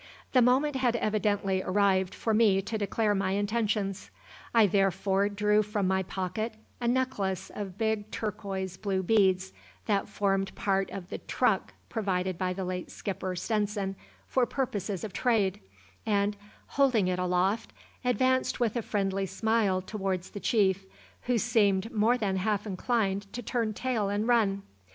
The moment had evidently arrived for me to declare my intentions. I therefore drew from my pocket a necklace of big turquoise blue beads that formed part of the "truck" provided by the late skipper Stenson for purposes of trade, and, holding it aloft, advanced with a friendly smile toward the chief, who seemed more than half inclined to turn tail and run.